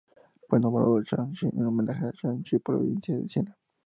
Fue nombrado Shaanxi en homenaje a Shaanxi provincia de China.